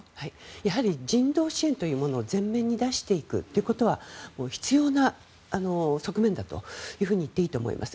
やはり人道支援というものを前面に出していくということは必要な側面だというふうに言っていいと思います。